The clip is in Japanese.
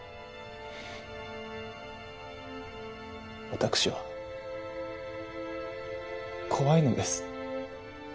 私は怖いのです。